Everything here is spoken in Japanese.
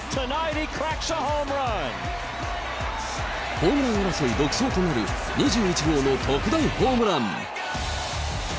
ホームラン争い独走となる２１号の特大ホームラン。